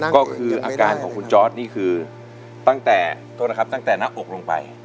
ก็คืออาการของคุณจอร์ตนี่คือตั้งแต่นักอกลมไป